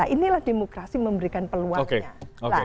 inilah demokrasi memberikan peluangnya